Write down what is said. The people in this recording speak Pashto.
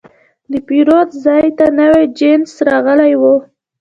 د پیرود ځای ته نوی جنس راغلی و.